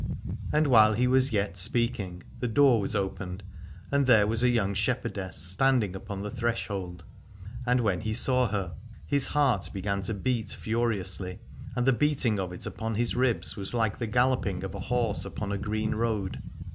And while he was yet speaking the door was opened, and there was there a young shep herdess standing upon the threshold. And when he saw her his heart began to beat furiously : and the beating of it upon his ribs was like the galloping of a horse upon a green road.